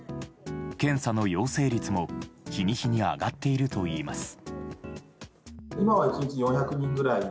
検査の陽性率も日に日に上がっているといいます。